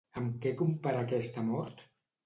Amb què compara aquesta mort?